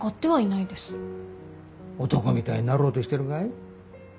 男みたいになろうとしてるかい？